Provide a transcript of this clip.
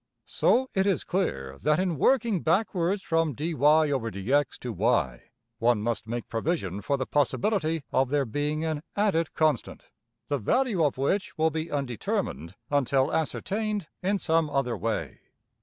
So it is clear that in working backwards from $\dfrac{dy}{dx}$ to~$y$, one must make provision for the possibility of there being an added constant, the value of which will be undetermined \DPPageSep{204.png}% until ascertained in some other way.